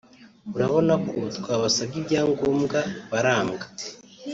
urabona ko twabasabye ibyangombwa baranga